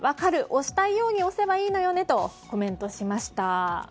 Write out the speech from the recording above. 推したいように推せばいいのよねとコメントしました。